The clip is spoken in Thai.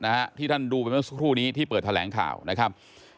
นะฮะที่ท่านดูเป็นและสุขุนนี้ที่เปิดแถลงคลาวนะครับ